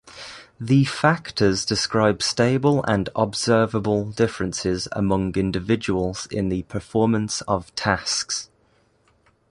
The factors describe stable and observable differences among individuals in the performance of tasks.